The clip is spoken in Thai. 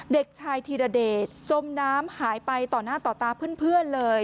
เด็กชายธีรเดชจมน้ำหายไปต่อหน้าต่อตาเพื่อนเลย